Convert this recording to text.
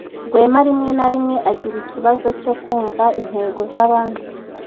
Rwema rimwe na rimwe agira ikibazo cyo kumva intego zabandi.